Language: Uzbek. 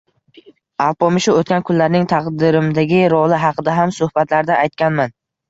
Alpomishu O`tgan kunlarning taqdirimdagi roli haqida ham suhbatlarda aytganman